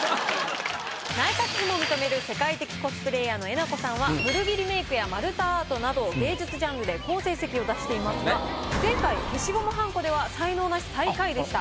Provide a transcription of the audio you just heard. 内閣府も認める世界的コスプレイヤーのえなこさんは古着リメイクや丸太アートなど芸術ジャンルで好成績を出していますが前回消しゴムはんこでは才能ナシ最下位でした。